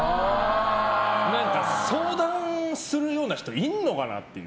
相談するような人いるのかなっていう。